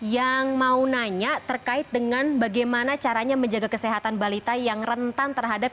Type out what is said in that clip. yang mau nanya terkait dengan bagaimana caranya menjaga kesehatan balita yang rentan terhadap